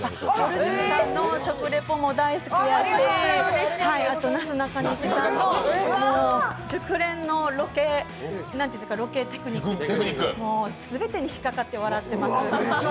ぼる塾さんの食リポも大好きですし、あとなすなかにしさんの熟練のロケテクニック、全てに引っ掛かって笑ってます。